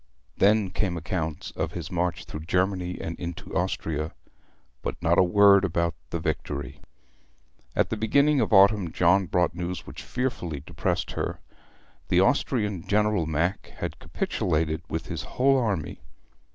Then came accounts of his march through Germany and into Austria; but not a word about the Victory. At the beginning of autumn John brought news which fearfully depressed her. The Austrian General Mack had capitulated with his whole army.